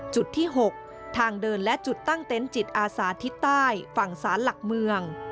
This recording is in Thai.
จุดที่๖ทางเดินและจุดตั้งเต็นต์จิตอาสาทิศใต้ฝั่งสารหลักเมือง